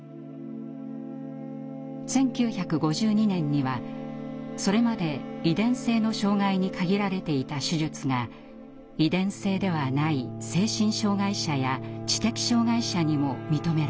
１９５２年にはそれまで遺伝性の障害に限られていた手術が遺伝性ではない精神障害者や知的障害者にも認められます。